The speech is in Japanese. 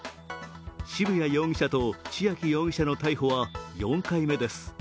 渋谷容疑者と千秋容疑者の逮捕は４回目です。